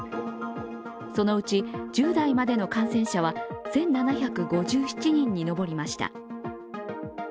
そのうち１０代までの感染者は１７５７人に上りました。